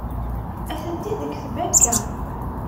Atenti deg tbanka.